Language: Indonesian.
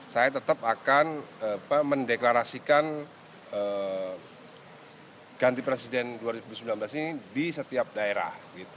saya tetap akan mendeklarasikan ganti presiden dua ribu sembilan belas ini di setiap daerah